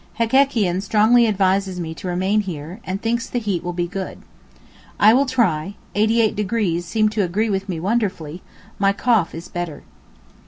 Hekekian strongly advises me to remain here, and thinks the heat will be good. I will try; 88° seemed to agree with me wonderfully, my cough is much better.